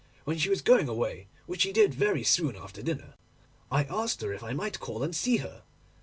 When she was going away, which she did very soon after dinner, I asked her if I might call and see her.